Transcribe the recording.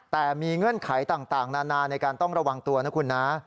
แต่มีเงื่อนไขต่างนานาในการต้องระวังตัวนะคุณนะ